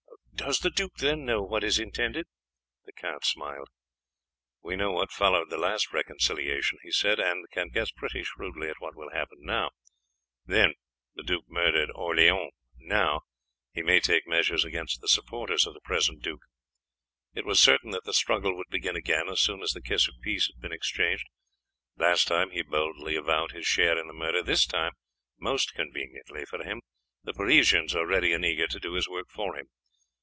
"Does the duke, then, know what is intended?" The count smiled. "We know what followed the last reconciliation," he said, "and can guess pretty shrewdly at what will happen now. Then the duke murdered Orleans, now he may take measures against the supporters of the present duke. It was certain that the struggle would begin again as soon as the kiss of peace had been exchanged. Last time he boldly avowed his share in the murder; this time, most conveniently for him, the Parisians are ready and eager to do his work for him.